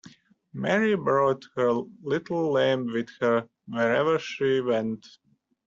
Mary brought her little lamb with her, wherever she went.